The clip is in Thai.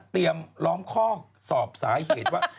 เตรียมล้อมข้อสอบสาเหตุว่า